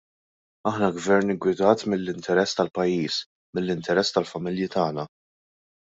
Aħna Gvern iggwidat mill-interess tal-pajjiż, mill-interess tal-familji tagħna.